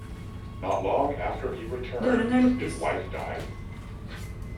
Not long after he returned, his wife died.